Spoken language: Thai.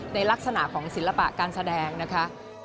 ในลักษณะของศิลปะการแสดงนะคะ